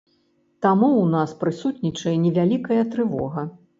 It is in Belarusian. Таму ў нас прысутнічае невялікая трывога.